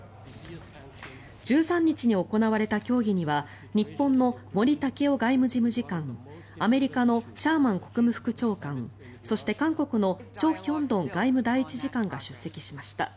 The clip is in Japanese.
１３日に行われた協議には日本の森健良外務事務次官アメリカのシャーマン国務副長官そして韓国のチョ・ヒョンドン外務第１次官が出席しました。